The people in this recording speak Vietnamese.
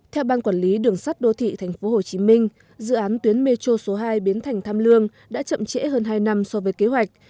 theo ban quản lý đường sắt đô thị tp hcm dự án tuyến metro số hai biến thành tham lương đã chậm trễ hơn hai năm so với kế hoạch